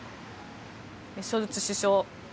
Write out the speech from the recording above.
ショルツ首相